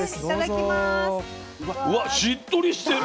わっしっとりしてる。